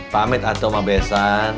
pamit aja sama besan